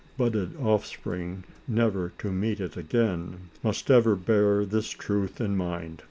119 budded offspring never to meet it again) must ever bear this truth in mind.